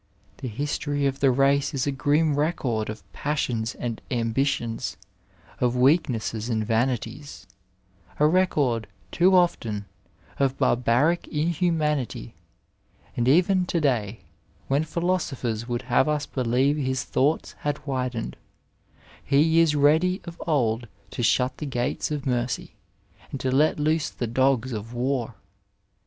The history of the race is a grim record of passions and ambitions, of weak nesses and vanities, a record, too often, of barbaric in humanity, and even to day, when philosophers would have us believe his thoughts had widened, he is ready as of old to shut the gates of mercy, and to let loose the dogp of war.